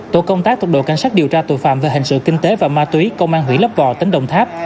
tổ công tác thuộc đội cảnh sát điều tra tội phạm về hành sự kinh tế và ma túy công an hủy lấp bò tỉnh đồng tháp